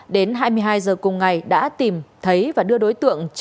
đến hai mươi hai giờ cùng ngày đã tìm thấy và đưa đối tượng